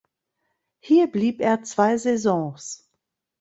Hier blieb er zwei Saisons.